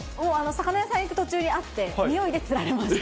魚屋さん行く途中にあって、においでつられました。